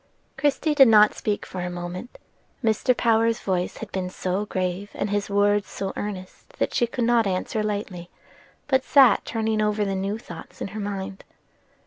Christie did not speak for a moment: Mr. Power's voice had been so grave, and his words so earnest that she could not answer lightly, but sat turning over the new thoughts in her mind.